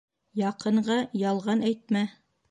Яҡынға ялған әйтмә